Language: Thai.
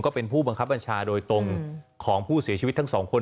เป็นผู้บังคับบัญชาโดยตรงของผู้เสียชีวิตทั้งสองคน